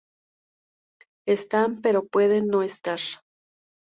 Están pero pueden no estar.